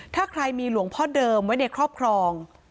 ถ้าใครมีหลวงพ่อเดิมไว้ในครอบครอง